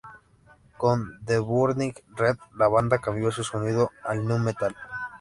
Con "The Burning" Red, la banda cambió su sonido al nu metal.